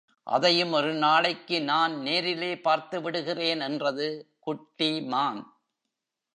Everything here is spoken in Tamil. அதையும் ஒரு நாளைக்கு நான் நேரிலே பார்த்து விடுகிறேன் என்றது குட்டி மான்.